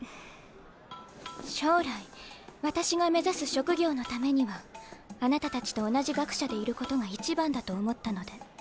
将来私が目指す職業のためにはあなたたちと同じ学舎でいることが一番だと思ったので。